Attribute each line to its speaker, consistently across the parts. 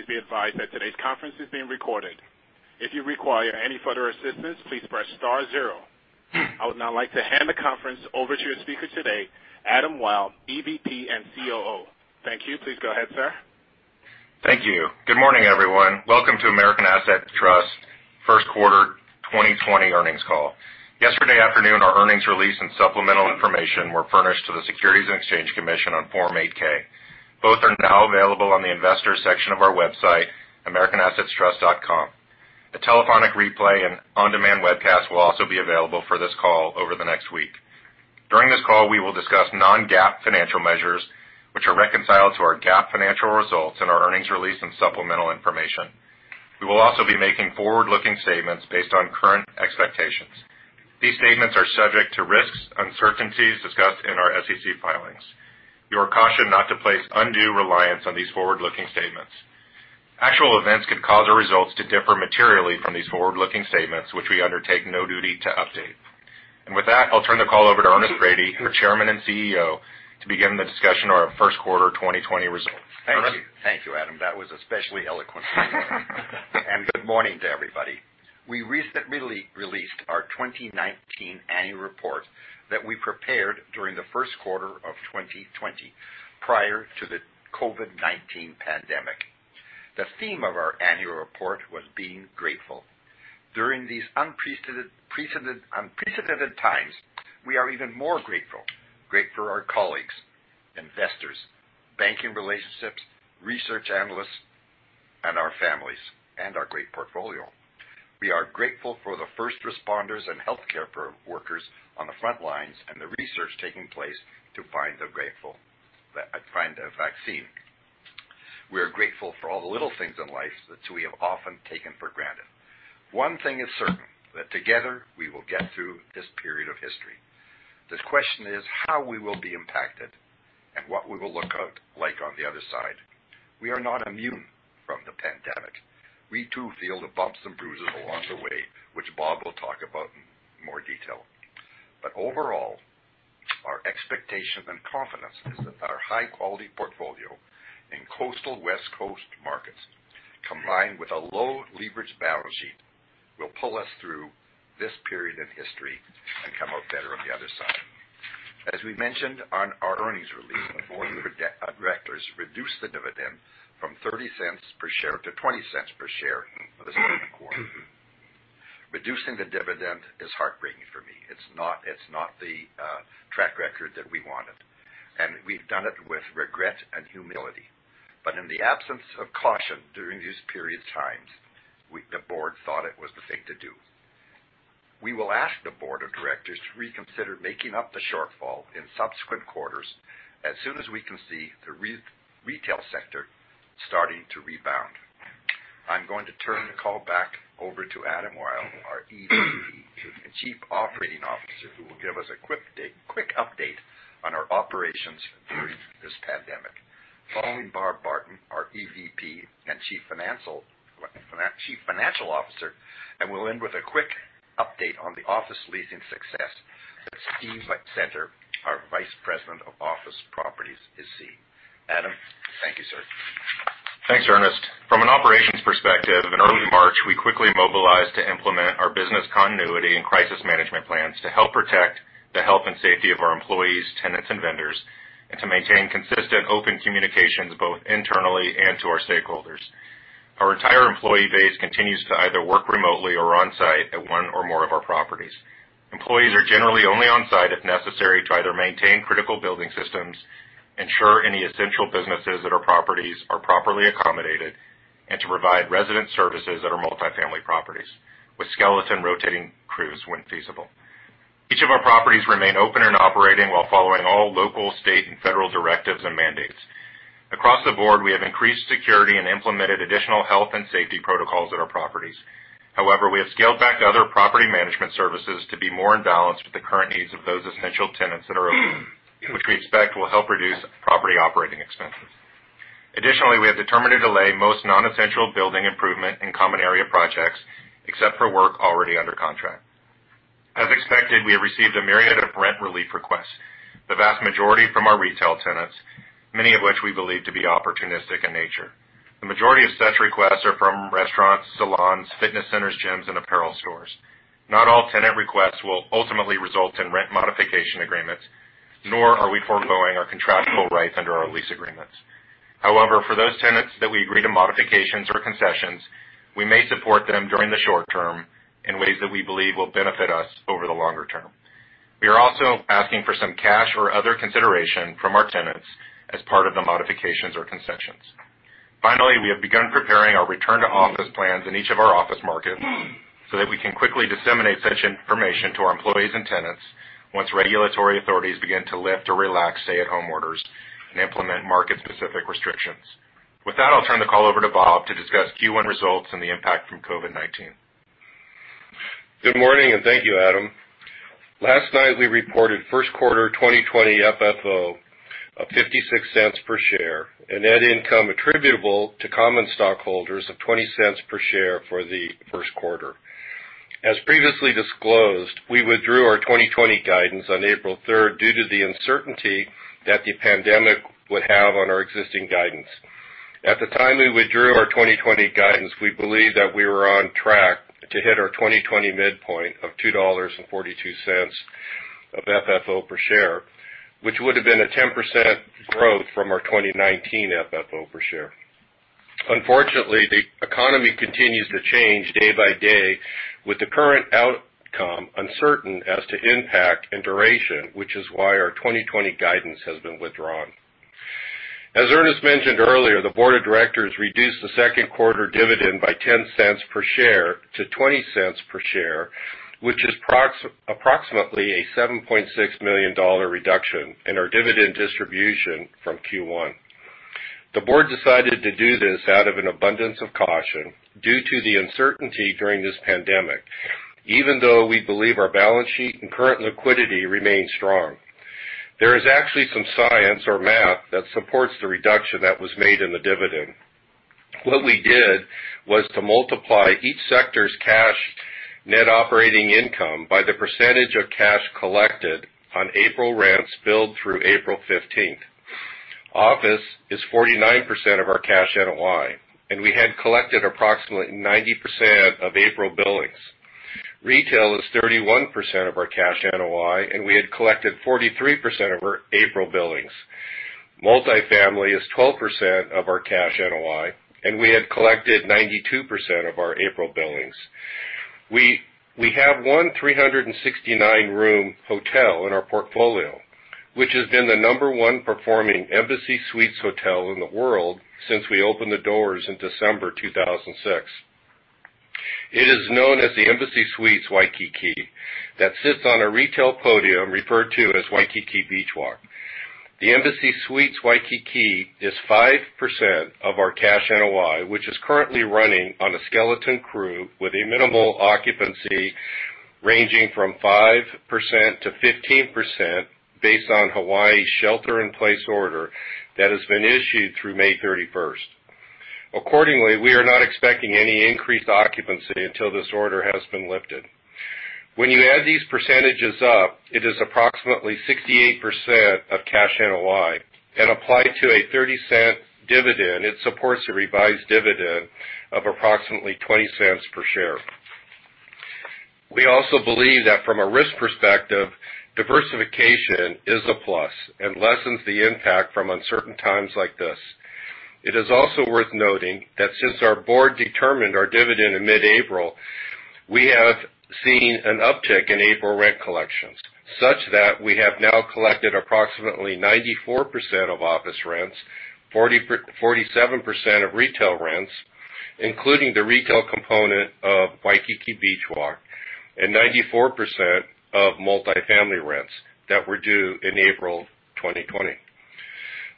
Speaker 1: Please be advised that today's conference is being recorded. If you require any further assistance, please press star zero. I would now like to hand the conference over to your speaker today, Adam Wyll, EVP and COO. Thank you. Please go ahead, sir.
Speaker 2: Thank you. Good morning, everyone. Welcome to American Assets Trust first quarter 2020 earnings call. Yesterday afternoon, our earnings release and supplemental information were furnished to the Securities and Exchange Commission on Form 8-K. Both are now available on the investors section of our website, americanassetstrust.com. A telephonic replay and on-demand webcast will also be available for this call over the next week. During this call, we will discuss non-GAAP financial measures, which are reconciled to our GAAP financial results in our earnings release and supplemental information. We will also be making forward-looking statements based on current expectations. These statements are subject to risks, uncertainties discussed in our SEC filings. You are cautioned not to place undue reliance on these forward-looking statements. Actual events could cause our results to differ materially from these forward-looking statements, which we undertake no duty to update. With that, I'll turn the call over to Ernest Rady, our Chairman and Chief Executive Officer, to begin the discussion of our first quarter 2020 results. Ernest?
Speaker 3: Thank you. Thank you, Adam. That was especially eloquent. Good morning to everybody. We recently released our 2019 annual report that we prepared during the first quarter of 2020, prior to the COVID-19 pandemic. The theme of our annual report was being grateful. During these unprecedented times, we are even more grateful. Grateful for our colleagues, investors, banking relationships, research analysts, and our families, and our great portfolio. We are grateful for the first responders and healthcare workers on the front lines and the research taking place to find the vaccine. We are grateful for all the little things in life that we have often taken for granted. One thing is certain, that together we will get through this period of history. The question is how we will be impacted and what we will look like on the other side. We are not immune from the pandemic. We too feel the bumps and bruises along the way, which Bob will talk about in more detail. Overall, our expectation and confidence is that our high-quality portfolio in coastal West Coast markets, combined with a low leverage balance sheet, will pull us through this period in history and come out better on the other side. As we mentioned on our earnings release, the board of directors reduced the dividend from $0.30 per share to $0.20 per share for this current quarter. Reducing the dividend is heartbreaking for me. It's not the track record that we wanted, and we've done it with regret and humility. In the absence of caution during these periods times, the board thought it was the thing to do. We will ask the board of directors to reconsider making up the shortfall in subsequent quarters as soon as we can see the retail sector starting to rebound. I'm going to turn the call back over to Adam Wyll, our EVP and Chief Operating Officer, who will give us a quick update on our operations during this pandemic. Following, Robert Barton, our EVP and Chief Financial Officer, and we'll end with a quick update on the office leasing success that Steve Center, our Vice President of Office Properties, is seeing. Adam, thank you, sir.
Speaker 2: Thanks, Ernest. From an operations perspective, in early March, we quickly mobilized to implement our business continuity and crisis management plans to help protect the health and safety of our employees, tenants, and vendors, and to maintain consistent open communications both internally and to our stakeholders. Our entire employee base continues to either work remotely or on-site at one or more of our properties. Employees are generally only on-site if necessary to either maintain critical building systems, ensure any essential businesses at our properties are properly accommodated, and to provide resident services at our multifamily properties, with skeleton rotating crews when feasible. Each of our properties remain open and operating while following all local, state, and federal directives and mandates. Across the board, we have increased security and implemented additional health and safety protocols at our properties. However, we have scaled back other property management services to be more in balance with the current needs of those essential tenants that are open, which we expect will help reduce property operating expenses. Additionally, we have determined to delay most non-essential building improvement and common area projects, except for work already under contract. As expected, we have received a myriad of rent relief requests, the vast majority from our retail tenants, many of which we believe to be opportunistic in nature. The majority of such requests are from restaurants, salons, fitness centers, gyms, and apparel stores. Not all tenant requests will ultimately result in rent modification agreements, nor are we foregoing our contractual rights under our lease agreements. However, for those tenants that we agree to modifications or concessions, we may support them during the short term in ways that we believe will benefit us over the longer term. We are also asking for some cash or other consideration from our tenants as part of the modifications or concessions. Finally, we have begun preparing our return-to-office plans in each of our office markets so that we can quickly disseminate such information to our employees and tenants once regulatory authorities begin to lift or relax stay-at-home orders and implement market-specific restrictions. With that, I'll turn the call over to Bob to discuss Q1 results and the impact from COVID-19.
Speaker 4: Good morning, and thank you, Adam. Last night, we reported first quarter 2020 FFO of $0.56 per share and net income attributable to common stockholders of $0.20 per share for the first quarter. As previously disclosed, we withdrew our 2020 guidance on April 3rd due to the uncertainty that the pandemic would have on our existing guidance. At the time we withdrew our 2020 guidance, we believed that we were on track to hit our 2020 midpoint of $2.42 of FFO per share, which would have been a 10% growth from our 2019 FFO per share. Unfortunately, the economy continues to change day by day, with the current outcome uncertain as to impact and duration, which is why our 2020 guidance has been withdrawn. As Ernest mentioned earlier, the board of directors reduced the second quarter dividend by $0.10 per share to $0.20 per share, which is approximately a $7.6 million reduction in our dividend distribution from Q1. The board decided to do this out of an abundance of caution due to the uncertainty during this pandemic, even though we believe our balance sheet and current liquidity remains strong. There is actually some science or math that supports the reduction that was made in the dividend. What we did was to multiply each sector's cash net operating income by the percentage of cash collected on April rents billed through April 15th. Office is 49% of our cash NOI, and we had collected approximately 90% of April billings. Retail is 31% of our cash NOI, and we had collected 43% of our April billings. Multifamily is 12% of our cash NOI, and we had collected 92% of our April billings. We have one 369-room hotel in our portfolio, which has been the number one performing Embassy Suites hotel in the world since we opened the doors in December 2006. It is known as the Embassy Suites Waikiki that sits on a retail podium referred to as Waikiki Beach Walk. The Embassy Suites Waikiki is 5% of our cash NOI, which is currently running on a skeleton crew with a minimal occupancy ranging from 5%-15% based on Hawaii's shelter in place order that has been issued through May 31st. Accordingly, we are not expecting any increased occupancy until this order has been lifted. When you add these percentages up, it is approximately 68% of cash NOI, and applied to a $0.30 dividend, it supports a revised dividend of approximately $0.20 per share. We also believe that from a risk perspective, diversification is a plus and lessens the impact from uncertain times like this. It is also worth noting that since our board determined our dividend in mid-April, we have seen an uptick in April rent collections, such that we have now collected approximately 94% of office rents, 47% of retail rents, including the retail component of Waikiki Beach Walk, and 94% of multifamily rents that were due in April 2020.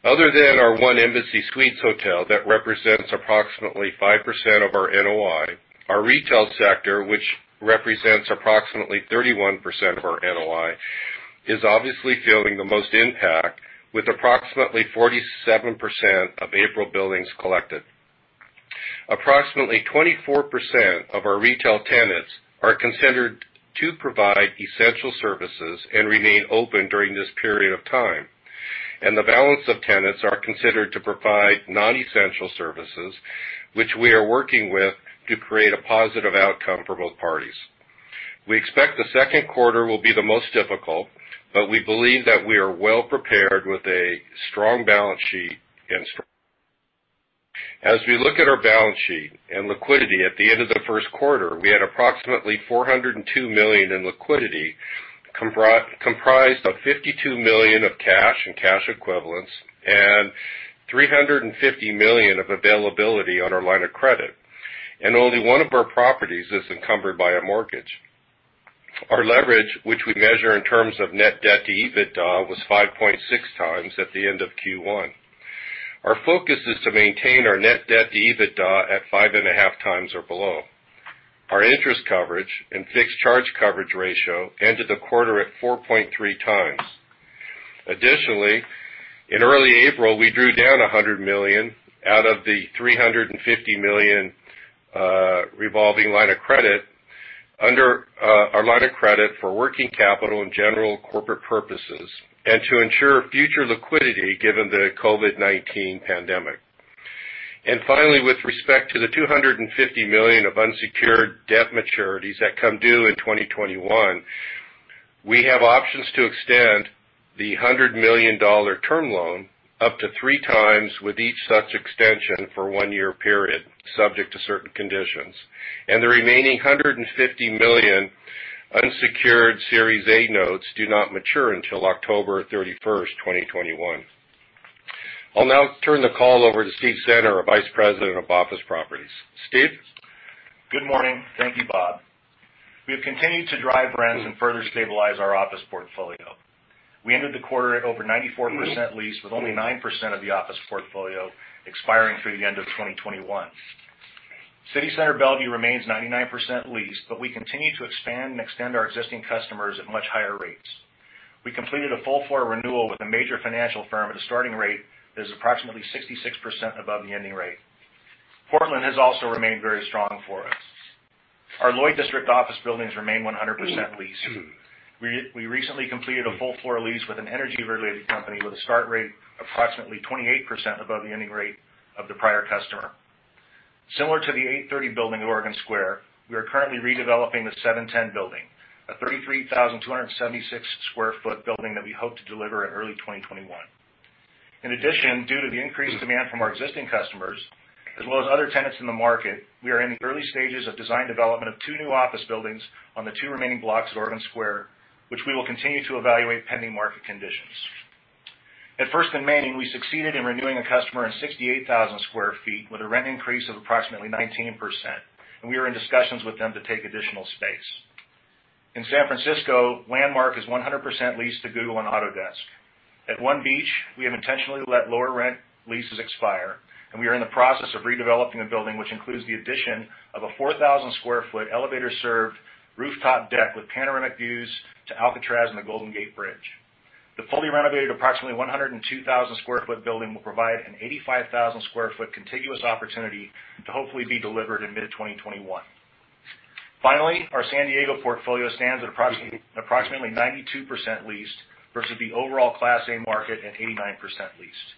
Speaker 4: Other than our one Embassy Suites hotel that represents approximately 5% of our NOI, our retail sector, which represents approximately 31% of our NOI, is obviously feeling the most impact with approximately 47% of April billings collected. Approximately 24% of our retail tenants are considered to provide essential services and remain open during this period of time, and the balance of tenants are considered to provide non-essential services, which we are working with to create a positive outcome for both parties. We expect the second quarter will be the most difficult, but we believe that we are well prepared with a strong balance sheet and strength. As we look at our balance sheet and liquidity at the end of the first quarter, we had approximately $402 million in liquidity, comprised of $52 million of cash and cash equivalents and $350 million of availability on our line of credit, and only one of our properties is encumbered by a mortgage. Our leverage, which we measure in terms of net debt to EBITDA, was 5.6 times at the end of Q1. Our focus is to maintain our net debt to EBITDA at 5.5 times or below. Our interest coverage and fixed charge coverage ratio ended the quarter at 4.3 times. Additionally, in early April, we drew down $100 million out of the $350 million revolving line of credit under our line of credit for working capital and general corporate purposes and to ensure future liquidity given the COVID-19 pandemic. Finally, with respect to the $250 million of unsecured debt maturities that come due in 2021, we have options to extend the $100 million term loan up to three times with each such extension for a one-year period, subject to certain conditions. The remaining $150 million unsecured Series A notes do not mature until October 31st, 2021. I'll now turn the call over to Steve Center, our Vice President of Office Properties. Steve?
Speaker 5: Good morning. Thank you, Bob. We have continued to drive rents and further stabilize our office portfolio. We ended the quarter at over 94% leased with only 9% of the office portfolio expiring through the end of 2021. City Center Bellevue remains 99% leased, but we continue to expand and extend our existing customers at much higher rates. We completed a full floor renewal with a major financial firm at a starting rate that is approximately 66% above the ending rate. Portland has also remained very strong for us. Our Lloyd District office buildings remain 100% leased. We recently completed a full-floor lease with an energy-related company with a start rate approximately 28% above the ending rate of the prior customer. Similar to the 830 building at Oregon Square, we are currently redeveloping the 710 building, a 33,276 sq ft building that we hope to deliver in early 2021. Due to the increased demand from our existing customers as well as other tenants in the market, we are in the early stages of design development of two new office buildings on the two remaining blocks at Oregon Square, which we will continue to evaluate pending market conditions. At First and Main, we succeeded in renewing a customer in 68,000 sq ft with a rent increase of approximately 19%. We are in discussions with them to take additional space. In San Francisco, Landmark is 100% leased to Google and Autodesk. At One Beach, we have intentionally let lower rent leases expire. We are in the process of redeveloping a building, which includes the addition of a 4,000 sq ft elevator-served rooftop deck with panoramic views to Alcatraz and the Golden Gate Bridge. The fully renovated, approximately 102,000 square foot building will provide an 85,000 square foot contiguous opportunity to hopefully be delivered in mid-2021. Finally, our San Diego portfolio stands at approximately 92% leased versus the overall Class A market at 89% leased.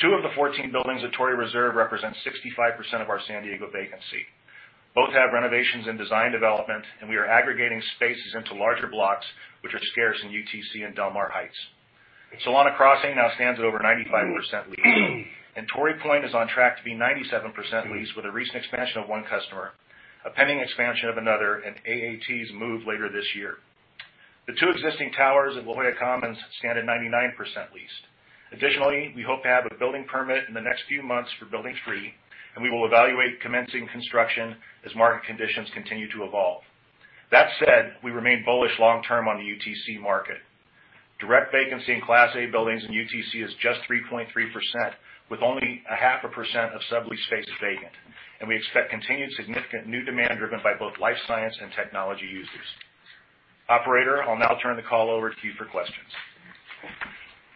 Speaker 5: Two of the 14 buildings at Torrey Reserve represent 65% of our San Diego vacancy. Both have renovations and design development, and we are aggregating spaces into larger blocks, which are scarce in UTC and Del Mar Heights. Solana Crossing now stands at over 95% leased, and Torrey Point is on track to be 97% leased with a recent expansion of one customer, a pending expansion of another, and AAT's move later this year. The two existing towers at La Jolla Commons stand at 99% leased. Additionally, we hope to have a building permit in the next few months for building three, and we will evaluate commencing construction as market conditions continue to evolve. That said, we remain bullish long-term on the UTC market. Direct vacancy in Class A buildings in UTC is just 3.3%, with only 0.5% of sublease space vacant, and we expect continued significant new demand driven by both life science and technology users. Operator, I'll now turn the call over to you for questions.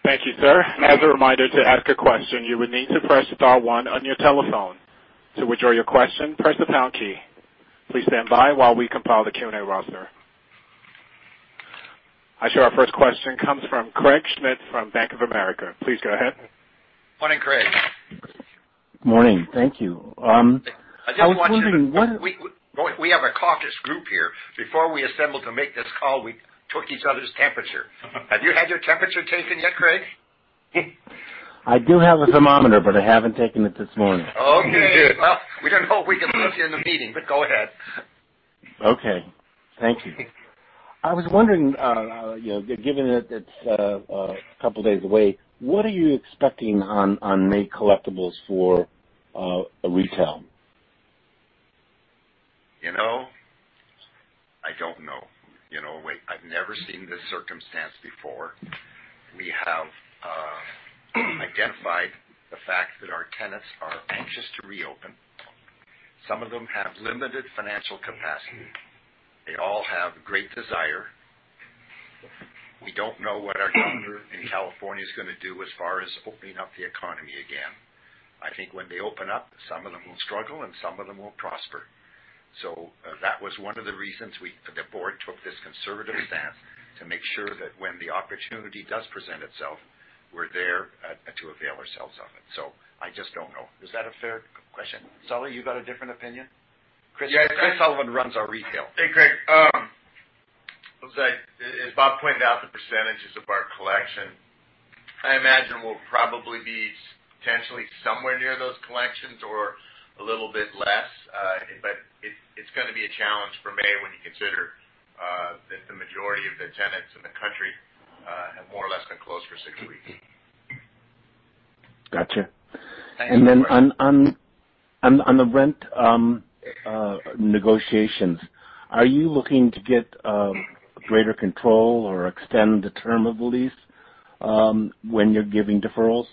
Speaker 1: Thank you, sir. As a reminder, to ask a question, you will need to press star one on your telephone. To withdraw your question, press the pound key. Please stand by while we compile the Q&A roster. I show our first question comes from Craig Schmidt from Bank of America. Please go ahead.
Speaker 3: Morning, Craig.
Speaker 6: Morning. Thank you. I was wondering when-
Speaker 3: We have a caucus group here. Before we assembled to make this call, we took each other's temperature. Have you had your temperature taken yet, Craig?
Speaker 6: I do have a thermometer, but I haven't taken it this morning.
Speaker 3: Okay. Well, we don't know if we can let you in the meeting, but go ahead.
Speaker 6: Okay. Thank you. I was wondering, given that it's a couple of days away, what are you expecting on May collections for retail?
Speaker 3: I don't know. I've never seen this circumstance before. We have identified the fact that our tenants are anxious to reopen. Some of them have limited financial capacity. They all have great desire. We don't know what our governor in California is going to do as far as opening up the economy again. I think when they open up, some of them will struggle, and some of them will prosper. That was one of the reasons the board took this conservative stance to make sure that when the opportunity does present itself, we're there to avail ourselves of it. I just don't know. Is that a fair question? Sully, you got a different opinion? Chris Sullivan runs our retail.
Speaker 7: Hey, Craig. As Bob pointed out, the percentages of our collection, I imagine, will probably be potentially somewhere near those collections or a little bit less. It's going to be a challenge for May when you consider that the majority of the tenants in the country have more or less been closed for six weeks.
Speaker 6: Got you.
Speaker 3: Thank you for the question.
Speaker 6: On the rent negotiations, are you looking to get greater control or extend the term of the lease when you're giving deferrals?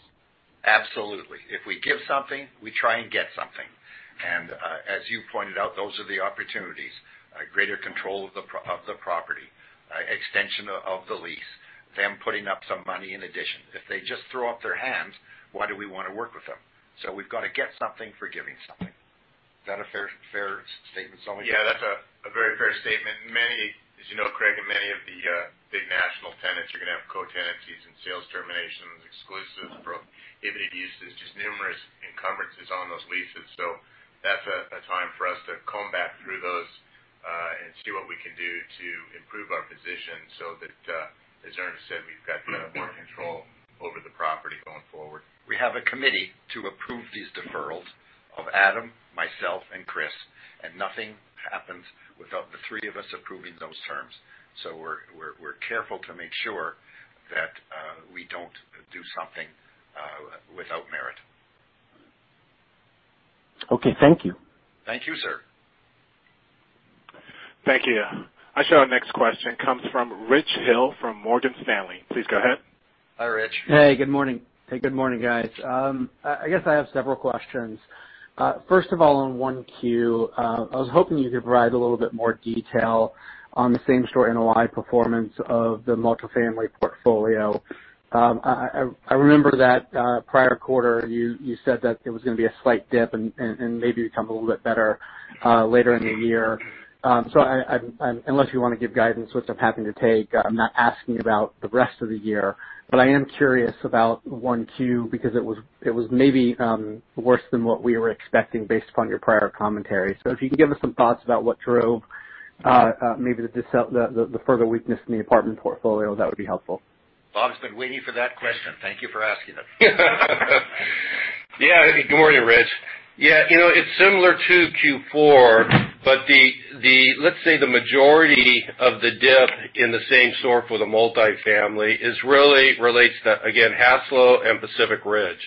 Speaker 3: Absolutely. If we give something, we try and get something. As you pointed out, those are the opportunities, greater control of the property, extension of the lease, them putting up some money in addition. If they just throw up their hands, why do we want to work with them? We've got to get something for giving something. Is that a fair statement, Sully?
Speaker 7: Yeah, that's a very fair statement. As you know, Craig, many of the big national tenants are going to have co-tenancies and sales terminations, exclusive prohibited uses, just numerous encumbrances on those leases. That's a time for us to comb back through those and see what we can do to improve our position so that, as Ernest said, we've got more control over the property going forward.
Speaker 3: We have a committee to approve these deferrals of Adam, myself, and Chris, and nothing happens without the three of us approving those terms. We're careful to make sure that we don't do something without merit.
Speaker 6: Okay. Thank you.
Speaker 3: Thank you, sir.
Speaker 1: Thank you. I show our next question comes from Rich Hill from Morgan Stanley. Please go ahead.
Speaker 3: Hi, Rich.
Speaker 8: Hey, good morning. Hey, good morning, guys. I guess I have several questions. First of all, on 1Q, I was hoping you could provide a little bit more detail on the same-store NOI performance of the multifamily portfolio. I remember that prior quarter, you said that it was going to be a slight dip and maybe become a little bit better later in the year. Unless you want to give guidance, which I'm happy to take, I'm not asking about the rest of the year, but I am curious about 1Q because it was maybe worse than what we were expecting based upon your prior commentary. If you could give us some thoughts about what drove maybe the further weakness in the apartment portfolio, that would be helpful.
Speaker 3: Bob's been waiting for that question. Thank you for asking it.
Speaker 4: Yeah. Good morning, Rich. Yeah. It's similar to Q4, but let's say the majority of the dip in the same-store for the multifamily really relates to, again, Hassalo and Pacific Ridge.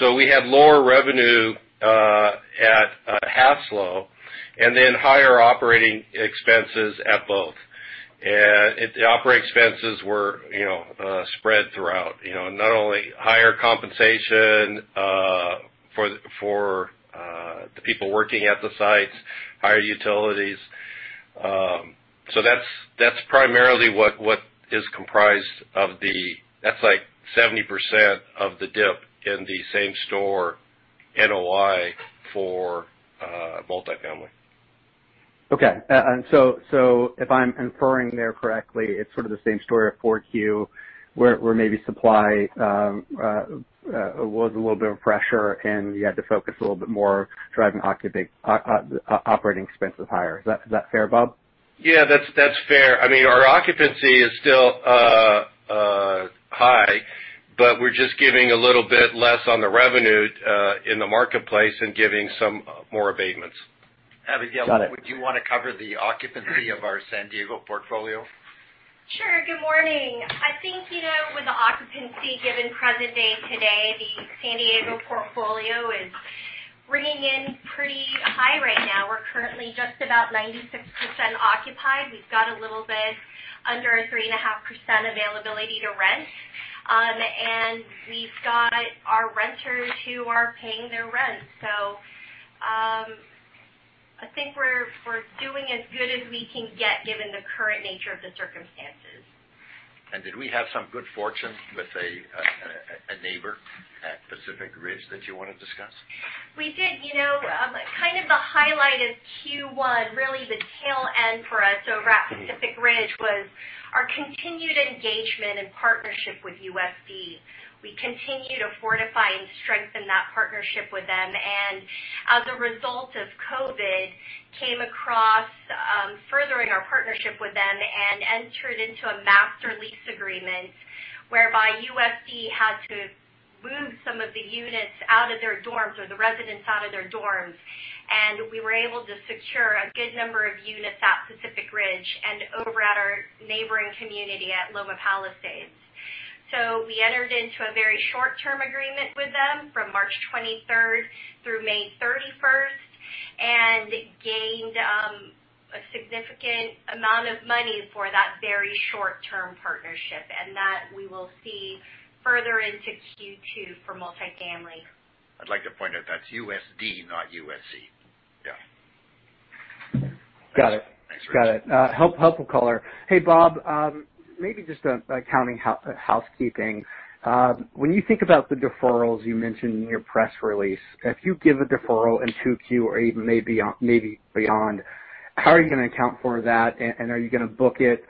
Speaker 4: We had lower revenue at Hassalo and then higher operating expenses at both. The operating expenses were spread throughout. Not only higher compensation for the people working at the sites, higher utilities. That's primarily what is comprised of the That's like 70% of the dip in the same-store NOI for multifamily.
Speaker 8: Okay. If I'm inferring there correctly, it's sort of the same story at 4Q, where maybe supply was a little bit of pressure, and you had to focus a little bit more driving operating expenses higher. Is that fair, Bob?
Speaker 4: Yeah, that's fair. Our occupancy is still high, we're just giving a little bit less on the revenue in the marketplace and giving some more abatements.
Speaker 8: Got it.
Speaker 3: Abigail, would you want to cover the occupancy of our San Diego portfolio?
Speaker 9: Sure. Good morning. I think, with the occupancy given present day today, the San Diego portfolio is ringing in pretty high right now. We're currently just about 96% occupied. We've got a little bit under a 3.5% availability to rent. We've got our renters who are paying their rent. I think we're doing as good as we can get given the current nature of the circumstances.
Speaker 3: Did we have some good fortune with a neighbor at Pacific Ridge that you want to discuss?
Speaker 9: We did. Kind of the highlight of Q1, really the tail end for us over at Pacific Ridge was our continued engagement and partnership with USD. We continue to fortify and strengthen that partnership with them. As a result of COVID, came across furthering our partnership with them and entered into a master lease agreement whereby USD had to move some of the units out of their dorms or the residents out of their dorms. We were able to secure a good number of units at Pacific Ridge and over at our neighboring community at Loma Palisades. We entered into a very short-term agreement with them from March 23rd through May 31st, and gained a significant amount of money for that very short-term partnership, and that we will see further into Q2 for multifamily.
Speaker 3: I'd like to point out that's USD, not USC.
Speaker 4: Yeah.
Speaker 8: Got it.
Speaker 3: Thanks, Rich.
Speaker 8: Got it. Helpful color. Hey, Bob, maybe just accounting housekeeping. When you think about the deferrals you mentioned in your press release, if you give a deferral in 2Q or even maybe beyond, how are you going to account for that? are you going to book it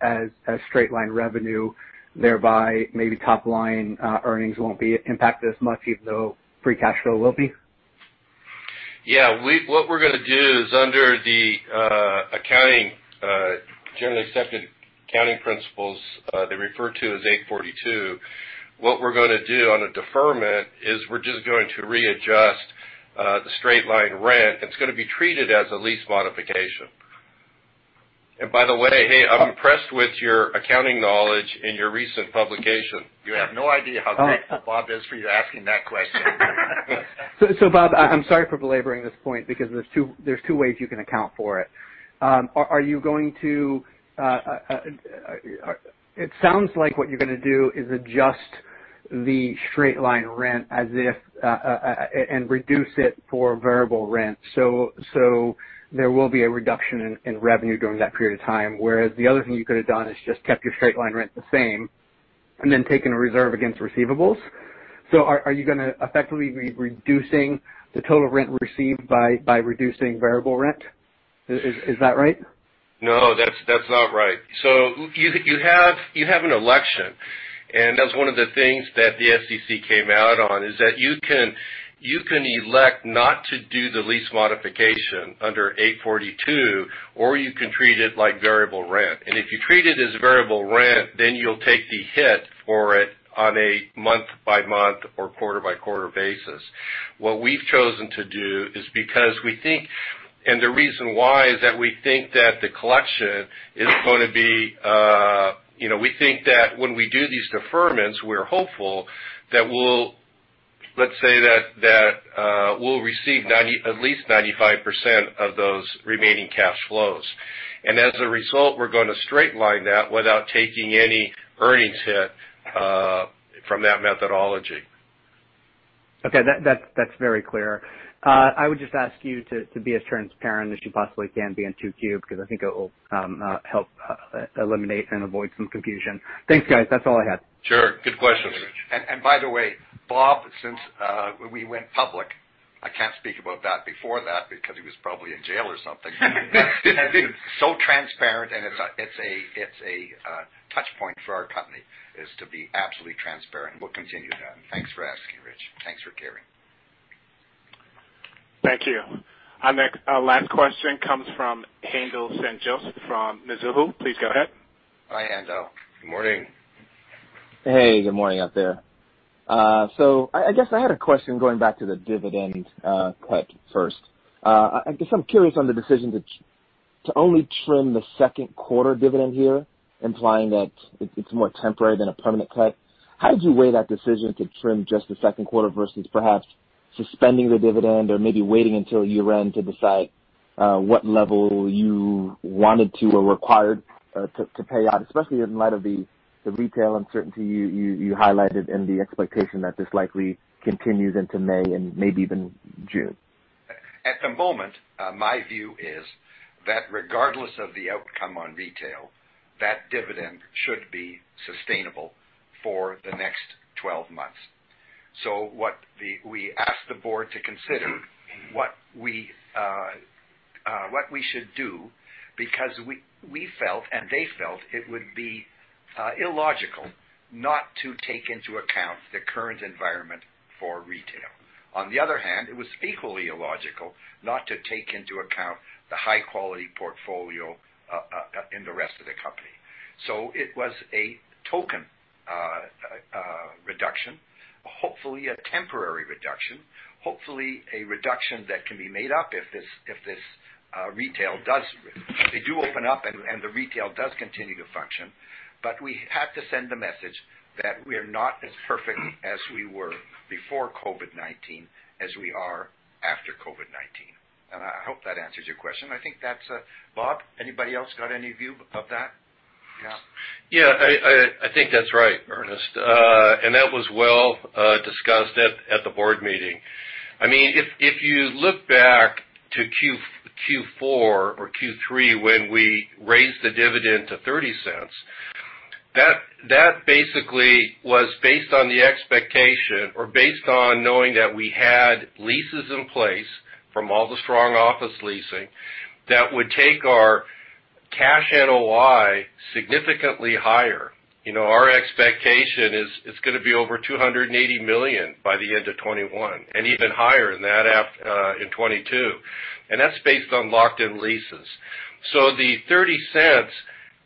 Speaker 8: as straight-line revenue, thereby maybe top-line earnings won't be impacted as much even though free cash flow will be?
Speaker 4: Yeah. What we're gonna do is under the generally accepted accounting principles, they refer to as 842. What we're gonna do on a deferment is we're just going to readjust the straight-line rent. It's gonna be treated as a lease modification. By the way, hey, I'm impressed with your accounting knowledge in your recent publication. You have no idea how grateful Bob is for you asking that question.
Speaker 8: Bob, I'm sorry for belaboring this point because there's two ways you can account for it. It sounds like what you're gonna do is adjust the straight-line rent as if, and reduce it for variable rent. There will be a reduction in revenue during that period of time, whereas the other thing you could've done is just kept your straight-line rent the same and then taken a reserve against receivables. Are you gonna effectively be reducing the total rent received by reducing variable rent? Is that right?
Speaker 4: No, that's not right. You have an election, and that's one of the things that the SEC came out on, is that you can elect not to do the lease modification under 842, or you can treat it like variable rent. If you treat it as variable rent, then you'll take the hit for it on a month-by-month or quarter-by-quarter basis. What we've chosen to do is because we think the collection is going to be. We think that when we do these deferments, we're hopeful that we'll receive at least 95% of those remaining cash flows. As a result, we're going to straight line that without taking any earnings hit from that methodology.
Speaker 8: Okay. That's very clear. I would just ask you to be as transparent as you possibly can be on 2Q, because I think it will help eliminate and avoid some confusion. Thanks, guys. That's all I had.
Speaker 4: Sure. Good question, Rich.
Speaker 3: by the way, Bob, since we went public, I can't speak about that before that because he was probably in jail or something. transparent, and it's a touch point for our company, is to be absolutely transparent, and we'll continue that. Thanks for asking, Rich. Thanks for caring.
Speaker 1: Thank you. Our last question comes from Haendel St. Juste from Mizuho. Please go ahead.
Speaker 3: Hi, Haendel. Good morning.
Speaker 10: Hey, good morning out there. I guess I had a question going back to the dividend cut first. I guess I'm curious on the decision to only trim the second quarter dividend here, implying that it's more temporary than a permanent cut. How did you weigh that decision to trim just the second quarter versus perhaps suspending the dividend or maybe waiting until year-end to decide what level you wanted to or required to pay out? Especially in light of the retail uncertainty you highlighted and the expectation that this likely continues into May and maybe even June.
Speaker 3: At the moment, my view is that regardless of the outcome on retail, that dividend should be sustainable for the next 12 months. what we asked the board to consider what we should do, because we felt, and they felt, it would be illogical not to take into account the current environment for retail. On the other hand, it was equally illogical not to take into account the high-quality portfolio in the rest of the company. it was a token reduction. Hopefully a temporary reduction. Hopefully a reduction that can be made up if this retail does. They do open up and the retail does continue to function. we have to send the message that we're not as perfect as we were before COVID-19 as we are after COVID-19. I hope that answers your question. I think that's Bob, anybody else got any view of that?
Speaker 4: Yeah, I think that's right, Ernest. That was well discussed at the board meeting. If you look back to Q4 or Q3 when we raised the dividend to $0.30, that basically was based on the expectation or based on knowing that we had leases in place from all the strong office leasing that would take our cash NOI significantly higher. Our expectation is it's going to be over $280 million by the end of 2021 and even higher than that in 2022. That's based on locked-in leases. The $0.30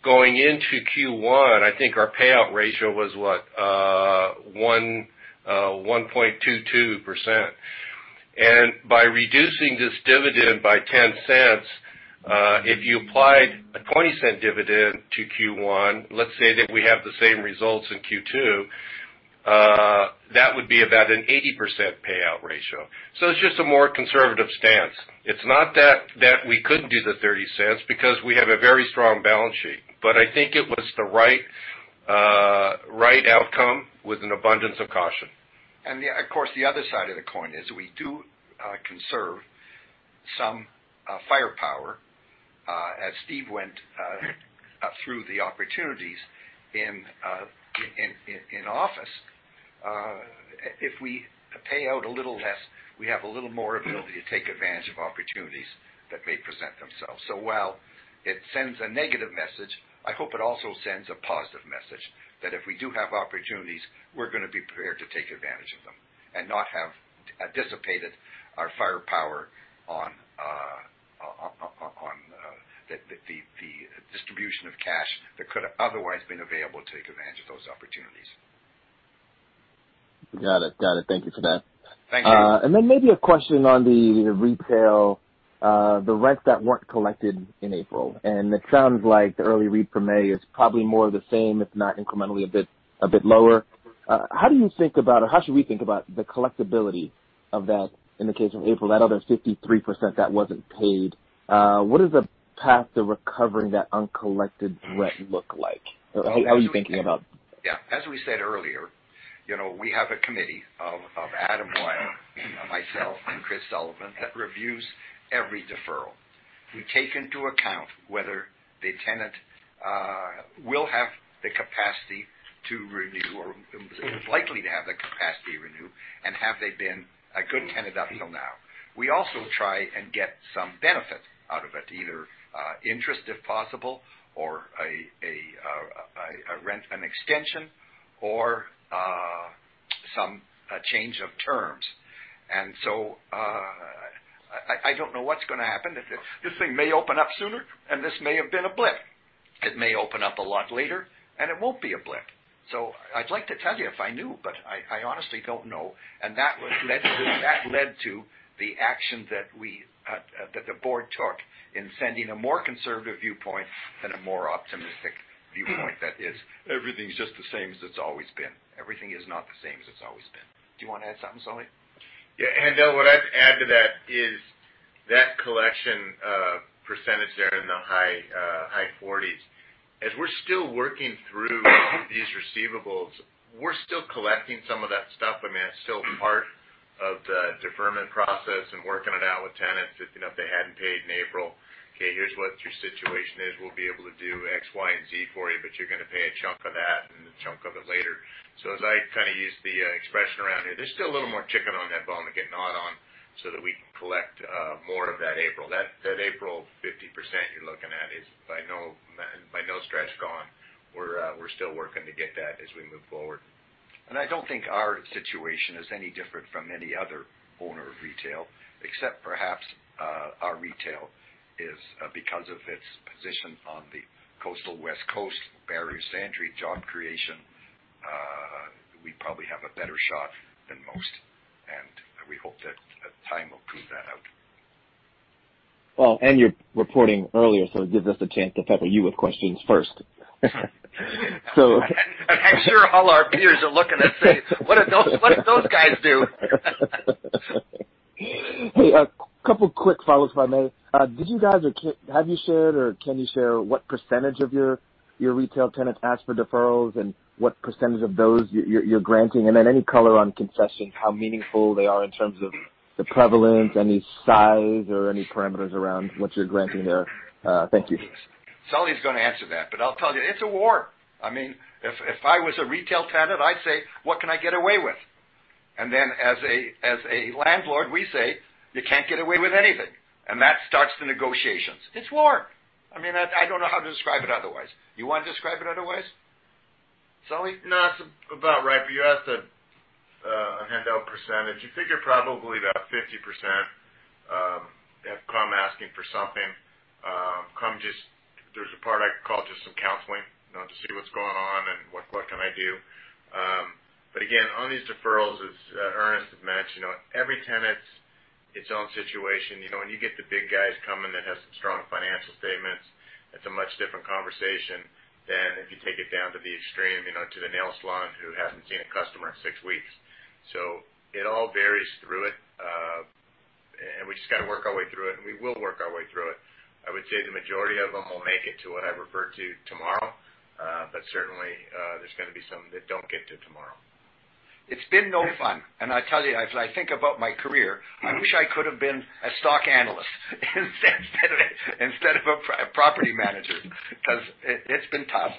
Speaker 4: going into Q1, I think our payout ratio was what? 1.22%. By reducing this dividend by $0.10, if you applied a $0.20 dividend to Q1, let's say that we have the same results in Q2, that would be about an 80% payout ratio. It's just a more conservative stance. It's not that we couldn't do the $0.30 because we have a very strong balance sheet. I think it was the right outcome with an abundance of caution.
Speaker 3: Of course, the other side of the coin is we do conserve some firepower. As Steve went through the opportunities in office. If we pay out a little less, we have a little more ability to take advantage of opportunities that may present themselves. While it sends a negative message, I hope it also sends a positive message that if we do have opportunities, we're going to be prepared to take advantage of them and not have dissipated our firepower on the distribution of cash that could have otherwise been available to take advantage of those opportunities.
Speaker 10: Got it. Thank you for that.
Speaker 3: Thank you.
Speaker 10: Maybe a question on the retail, the rents that weren't collected in April, and it sounds like the early read for May is probably more of the same, if not incrementally a bit lower. How do you think about, or how should we think about the collectibility of that in the case of April, that other 53% that wasn't paid? What does the path to recovering that uncollected rent look like? How are you thinking about.
Speaker 3: Yeah. As we said earlier, we have a committee of Adam Wyll, myself, and Chris Sullivan that reviews every deferral. We take into account whether the tenant will have the capacity to renew or is likely to have the capacity to renew, and have they been a good tenant up until now. We also try and get some benefit out of it, either interest, if possible, or an extension or some change of terms. I don't know what's going to happen. This thing may open up sooner, and this may have been a blip. It may open up a lot later, and it won't be a blip. I'd like to tell you if I knew, but I honestly don't know. that led to the action that the board took in sending a more conservative viewpoint than a more optimistic viewpoint that is-
Speaker 7: everything's just the same as it's always been.
Speaker 3: everything is not the same as it's always been. Do you want to add something, Sully?
Speaker 7: Yeah. Haendel, what I'd add to that is that collection percentage there in the high 40s, as we're still working through these receivables, we're still collecting some of that stuff. I mean, that's still part of the deferment process and working it out with tenants. If they hadn't paid in April, okay, here's what your situation is. We'll be able to do X, Y, and Z for you, but you're going to pay a chunk of that and a chunk of it later. As I use the expression around here, there's still a little more chicken on that bone to get gnawed on so that we can collect more of that April. That April 50% you're looking at is by no stretch gone. We're still working to get that as we move forward.
Speaker 3: I don't think our situation is any different from any other owner of retail, except perhaps our retail is, because of its position on the coastal West Coast, barrier to entry, job creation, we probably have a better shot than most, and we hope that time will prove that out.
Speaker 10: Well, you're reporting earlier, so it gives us a chance to pepper you with questions first.
Speaker 3: I'm sure all our peers are looking and saying, "What did those guys do?
Speaker 10: Hey, a couple quick follows if I may. Did you guys, or have you shared, or can you share what percentage of your retail tenants asked for deferrals and what percentage of those you're granting? Then any color on concessions, how meaningful they are in terms of the prevalence, any size or any parameters around what you're granting there? Thank you.
Speaker 3: Sully's going to answer that, but I'll tell you, it's a war. If I was a retail tenant, I'd say, "What can I get away with?" as a landlord, we say, "You can't get away with anything." That starts the negotiations. It's war. I don't know how to describe it otherwise. You want to describe it otherwise, Sully?
Speaker 7: No, that's about right. You asked a handout percentage. You figure probably about 50% have come asking for something. There's a part I call just some counseling, to see what's going on and what can I do. Again, on these deferrals, as Ernest has mentioned, every tenant's its own situation. When you get the big guys coming that have some strong financial statements, it's a much different conversation than if you take it down to the extreme, to the nail salon who hasn't seen a customer in six weeks. It all varies through it. We just got to work our way through it, and we will work our way through it. I would say the majority of them will make it to what I refer to tomorrow. Certainly, there's going to be some that don't get to tomorrow.
Speaker 3: It's been no fun. I tell you, as I think about my career, I wish I could've been a stock analyst instead of a property manager, because it's been tough.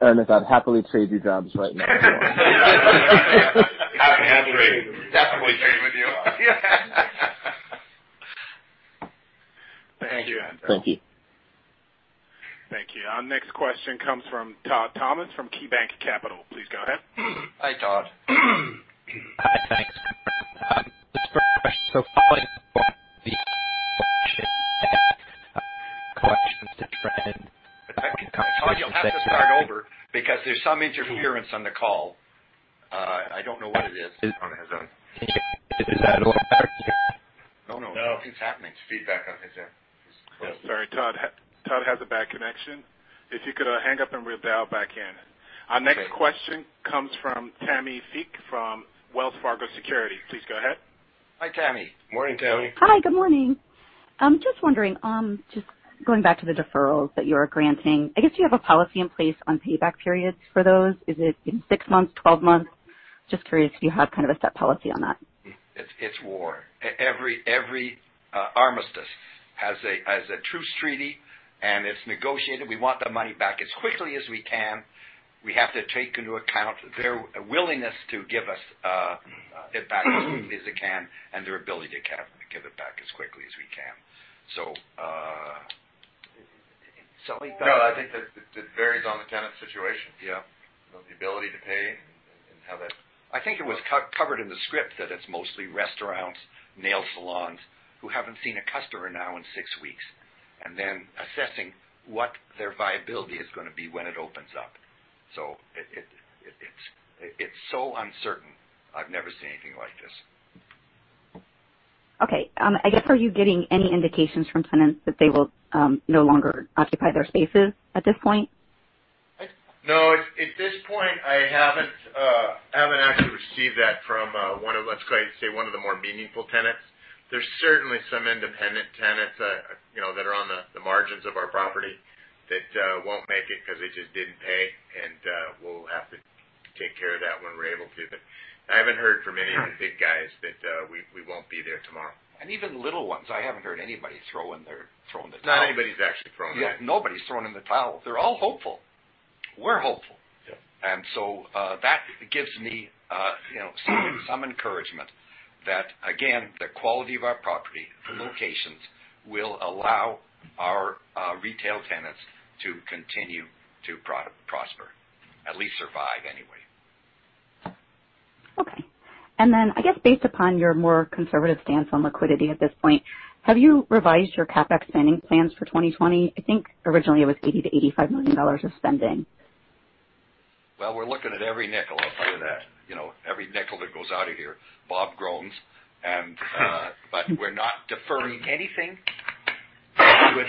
Speaker 10: Ernest, I'd happily trade you jobs right now.
Speaker 7: Happy to agree. Definitely agree with you.
Speaker 3: Thank you.
Speaker 7: Thank you.
Speaker 10: Thank you.
Speaker 1: Thank you. Our next question comes from Todd Thomas from KeyBanc Capital. Please go ahead.
Speaker 3: Hi, Todd.
Speaker 11: Hi. Thanks. Just a quick question. Following up on the questions that Fred-
Speaker 3: I tell you'll have to start over because there's some interference on the call. I don't know what it is.
Speaker 7: It's on his end.
Speaker 11: Is that all better?
Speaker 3: No. It's happening.
Speaker 7: It's feedback on his end.
Speaker 1: Sorry, Todd. Todd has a bad connection. If you could hang up and redial back in.
Speaker 11: Okay.
Speaker 1: Our next question comes from Tammi Fique from Wells Fargo Securities. Please go ahead.
Speaker 3: Hi, Tammi.
Speaker 7: Morning, Tammi.
Speaker 12: Hi. Good morning. Just wondering, just going back to the deferrals that you are granting, I guess, do you have a policy in place on payback periods for those? Is it in six months, 12 months? Just curious if you have kind of a set policy on that.
Speaker 3: It's war. Every armistice has a truce treaty, and it's negotiated. We want the money back as quickly as we can. We have to take into account their willingness to give us it back as quickly as they can and their ability to give it back as quickly as we can. Sully?
Speaker 7: No, I think that it varies on the tenant's situation. Yeah. The ability to pay and how that-
Speaker 3: I think it was covered in the script that it's mostly restaurants, nail salons who haven't seen a customer now in six weeks, and then assessing what their viability is going to be when it opens up. It's so uncertain. I've never seen anything like this.
Speaker 12: Okay. I guess, are you getting any indications from tenants that they will no longer occupy their spaces at this point?
Speaker 7: No, at this point, I haven't actually received that from one of, let's say, one of the more meaningful tenants. There's certainly some independent tenants that are on the margins of our property that won't make it because they just didn't pay, and we'll have to take care of that when we're able to. I haven't heard from any of the big guys that we won't be there tomorrow.
Speaker 3: Even little ones. I haven't heard anybody throwing the towel.
Speaker 7: Not anybody's actually thrown in.
Speaker 3: Yeah, nobody's thrown in the towel. They're all hopeful. We're hopeful.
Speaker 7: Yeah.
Speaker 3: that gives me some encouragement that, again, the quality of our property, the locations, will allow our retail tenants to continue to prosper. At least survive anyway.
Speaker 12: Okay. I guess based upon your more conservative stance on liquidity at this point, have you revised your CapEx spending plans for 2020? I think originally it was $80 million-$85 million of spending.
Speaker 3: Well, we're looking at every nickel, I'll tell you that. Every nickel that goes out of here, Bob groans. We're not deferring anything that would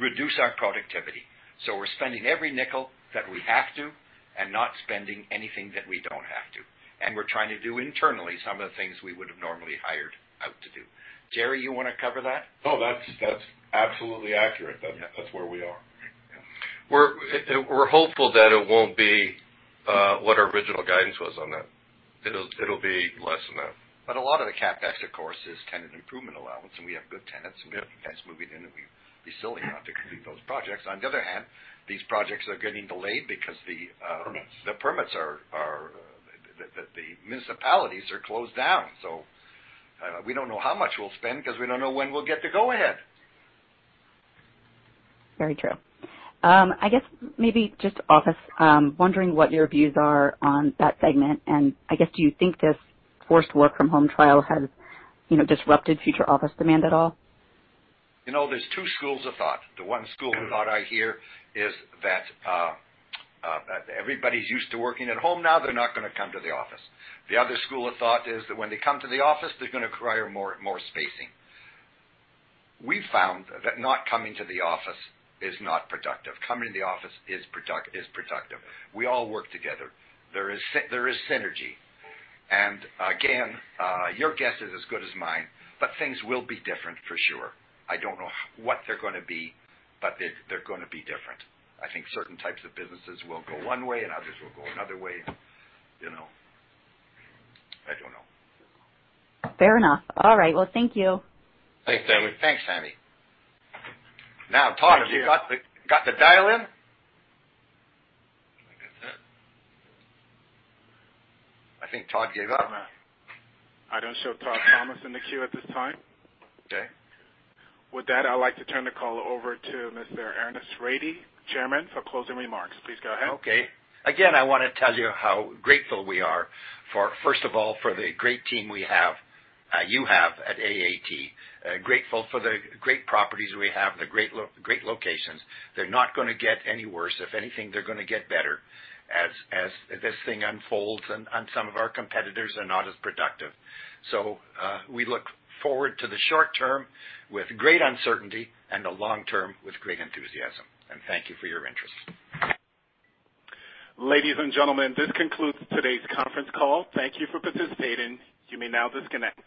Speaker 3: reduce our productivity. We're spending every nickel that we have to and not spending anything that we don't have to. We're trying to do internally some of the things we would've normally hired out to do. Jerry, you want to cover that?
Speaker 13: No, that's absolutely accurate.
Speaker 3: Yeah.
Speaker 13: That's where we are.
Speaker 3: Yeah.
Speaker 4: We're hopeful that it won't be what our original guidance was on that. It'll be less than that.
Speaker 3: A lot of the CapEx, of course, is tenant improvement allowance, and we have good tenants.
Speaker 4: Yeah
Speaker 3: Good tenants moving in, and we'd be silly not to complete those projects. On the other hand, these projects are getting delayed because.
Speaker 13: Permits
Speaker 3: The municipalities are closed down. We don't know how much we'll spend because we don't know when we'll get the go-ahead.
Speaker 12: Very true. I guess maybe just office, wondering what your views are on that segment, and I guess, do you think this forced work from home trial has disrupted future office demand at all?
Speaker 3: There's two schools of thought. The one school of thought I hear is that everybody's used to working at home now, they're not going to come to the office. The other school of thought is that when they come to the office, they're going to require more spacing. We've found that not coming to the office is not productive. Coming to the office is productive. We all work together. There is synergy. Again, your guess is as good as mine, but things will be different for sure. I don't know what they're going to be, but they're going to be different. I think certain types of businesses will go one way, and others will go another way. I don't know.
Speaker 12: Fair enough. All right. Well, thank you.
Speaker 4: Thanks, Tammi.
Speaker 3: Thanks, Tammi. Todd, have you got the dial-in?
Speaker 2: I think that's it.
Speaker 3: I think Todd gave up.
Speaker 1: I don't show Todd Thomas in the queue at this time.
Speaker 3: Okay.
Speaker 1: With that, I'd like to turn the call over to Mr. Ernest Rady, Chairman, for closing remarks. Please go ahead.
Speaker 3: Okay. Again, I want to tell you how grateful we are for, first of all, for the great team we have, you have at AAT. Grateful for the great properties we have, the great locations. They're not going to get any worse. If anything, they're going to get better as this thing unfolds and some of our competitors are not as productive. We look forward to the short term with great uncertainty and the long term with great enthusiasm. Thank you for your interest.
Speaker 1: Ladies and gentlemen, this concludes today's conference call. Thank you for participating. You may now disconnect.